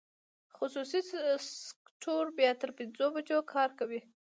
خصوصي سکټور بیا تر پنځو بجو کار کوي.